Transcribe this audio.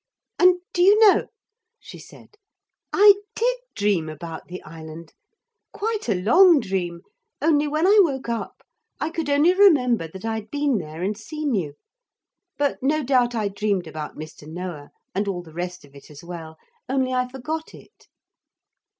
'And do you know,' she said, 'I did dream about the island quite a long dream, only when I woke up I could only remember that I'd been there and seen you. But no doubt I dreamed about Mr. Noah and all the rest of it as well, only I forgot it.'